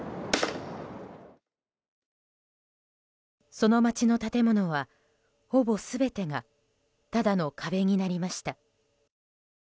その街の建物は、ほぼ全てがただの壁になりました。